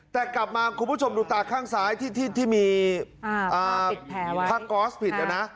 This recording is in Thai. แต่กลับมาคุณผู้ชมดูตาข้างซ้ายที่มีผ้าก๊อสผิดนะนะ